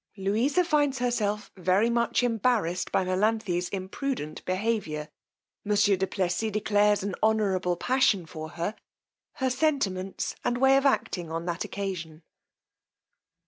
_Louisa finds herself very much embarrassed by Melanthe's imprudent behaviour. Monsieur du Plessis declares an honourable passion for her: her sentiments and way of acting on that occasion_.